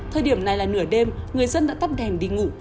thời điểm này là nửa đêm người dân đã tắt đèn đi ngủ